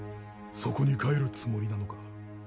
そこに帰るつもりなのか？